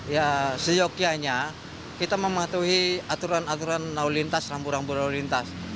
ya seyokianya kita mematuhi aturan aturan lalu lintas rambu rambu lalu lintas